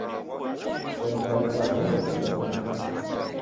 Kusenitale kwa vindo kekedeka